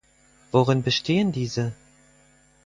Worin bestehen diese?